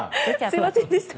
すいませんでした。